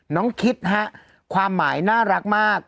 คิดฮะความหมายน่ารักมาก